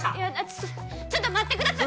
ちょっとちょっと待ってください